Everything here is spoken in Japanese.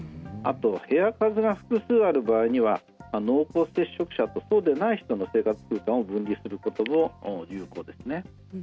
あと部屋数が複数ある場合には濃厚接触者とそうでない人の生活空間を分離することも有効ですね。